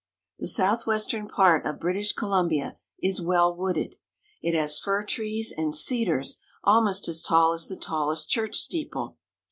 The southwestern part of British Columbia is well wooded. It has fir trees and cedars almost as tall as the tallest church steeple.